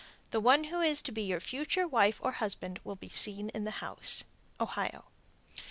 The one who is to be your future wife or husband will be seen in the house. Ohio. 302.